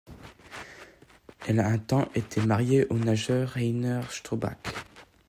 Elle a un temps été mariée au nageur Rainer Strohbach.